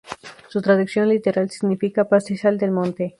Su traducción literal significa "pastizal del monte".